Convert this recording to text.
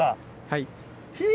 はい。